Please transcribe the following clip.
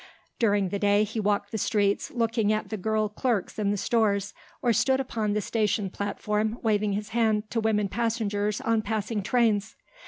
During the day he walked the streets looking at the girl clerks in the stores, or stood upon the station platform waving his hand to women passengers on passing trains.